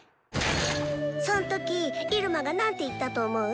そんときイルマが何て言ったと思う？